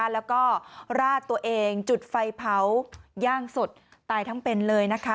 แล้วก็ราดตัวเองจุดไฟเผาย่างสดตายทั้งเป็นเลยนะคะ